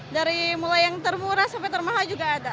dari mulai yang termurah sampai termahal juga ada